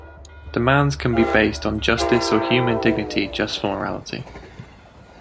Demands can be based on justice or human dignity just for morality.